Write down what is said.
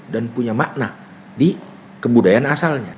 dan punya makna di kebudayaan asalnya